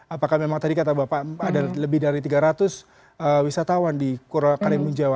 apakah memang tadi kata bapak ada lebih dari tiga ratus wisatawan di karimun jawa